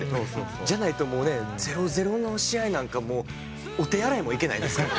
じゃないともうね０−０の試合なんかもうお手洗いも行けないですからね。